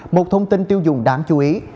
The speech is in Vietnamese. một thông tin tiêu dùng đáng chú ý